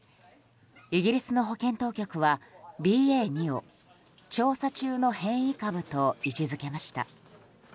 イギリスの保健当局はＢＡ．２を調査中の変異株と位置付けました。